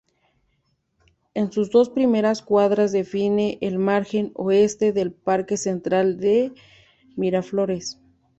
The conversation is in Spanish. En sus dos primeras cuadras define el margen oeste del parque central de Miraflores.